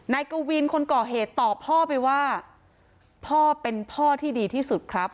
กวินคนก่อเหตุตอบพ่อไปว่าพ่อเป็นพ่อที่ดีที่สุดครับ